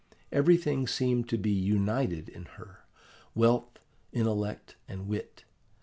Everything seemed to be united in her, wealth, intellect, and wit.